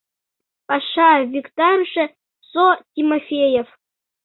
Паша виктарыше СО Тимофеев.